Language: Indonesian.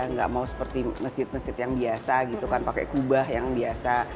nggak mau seperti masjid masjid yang biasa gitu kan pakai kubah yang biasa